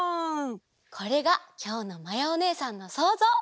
これがきょうのまやおねえさんのそうぞう！